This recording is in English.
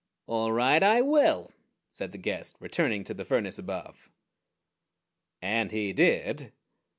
"All right, I will," said the guest, returning to the furnace above. And he did.